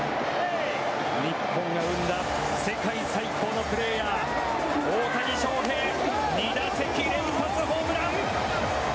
日本が生んだ世界最高のプレーヤー、大谷翔平２打席連発ホームラン！